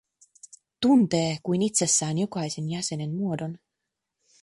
Tuntee kuin itsessään jokaisen jäsenen muodon.